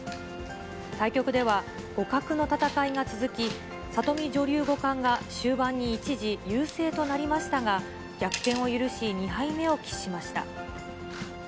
対局では、互角の戦いが続き、里見女流五冠が終盤に一時、優勢となりましたが、逆転を許し、２敗目を喫しました。